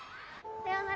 さようなら。